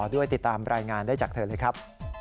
ด้วยติดตามรายงานได้จากเธอเลยครับ